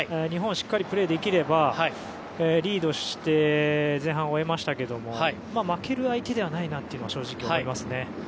日本はしっかりプレーできればリードして前半を終えましたけど負ける相手ではないなと正直、思いますね。